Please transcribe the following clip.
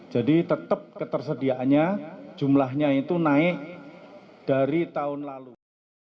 jadi tetap ketersediaannya jumlahnya itu naik dari tahun lalu